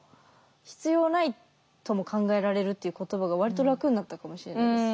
必要ないとも考えられるっていう言葉がわりと楽になったかもしれないです。